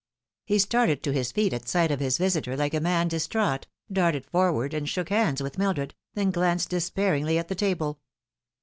He started to his feet at sight of his visitor like a man dis traught, darted forward and shook hands with Mildred, then glanced despairingly at the table.